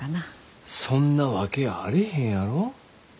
そんなわけあれへんやろ。